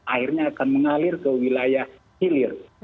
airnya akan mengalir ke wilayah hilir